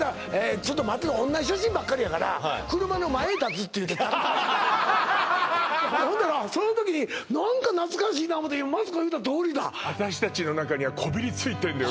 ちょっとまた同じ写真ばっかりやから車の前に立つって言って立ったほんだらその時に何か懐かしいな思てマツコ言うたとおりだ私達の中にはこびりついてんのよ